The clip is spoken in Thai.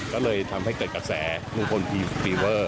ก็เลยทำให้เกิดกระแสลุงพลฟีเวอร์